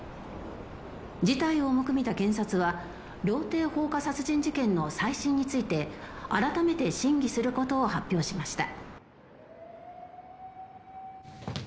「事態を重く見た検察は料亭放火殺人事件の再審について改めて審議する事を発表しました」